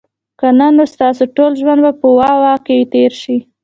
که نه نو ستاسو ټول ژوند به په "واه، واه" کي تیر سي